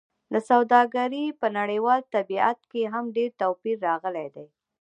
د سوداګرۍ په نړیوال طبیعت کې هم ډېر توپیر راغلی دی.